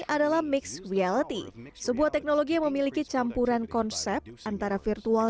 adalah mix reality sebuah teknologi yang memiliki campuran konsep antara virtual